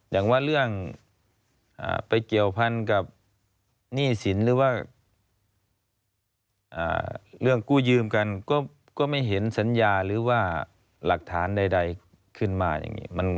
อย่างว่าเรื่องไปเกี่ยวพันกับหนี้สินหรือว่าเรื่องกู้ยืมกันก็ไม่เห็นสัญญาหรือว่าหลักฐานใดขึ้นมาอย่างนี้